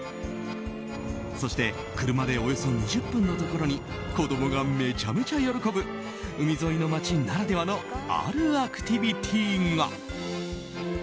そして車で、およそ２０分のところに子供がめちゃめちゃ喜ぶ海沿いの街ならではのあるアクティビティーが。